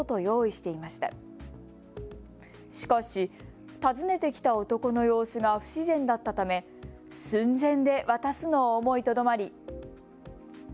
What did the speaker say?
しかし、訪ねてきた男の様子が不自然だったため寸前で渡すのを思いとどまり。